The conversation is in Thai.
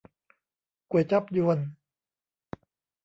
ก๋วยจั๊บญวน